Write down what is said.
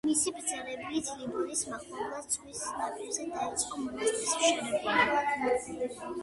მისი ბრძანებით ლისაბონის მახლობლად, ზღვის ნაპირზე, დაიწყო მონასტრის მშენებლობა.